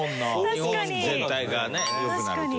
日本全体がね良くなるという。